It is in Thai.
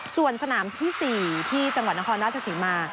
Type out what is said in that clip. ส่วนสนามที่๔ที่จังหวัดนครรัฐจะสิงหมา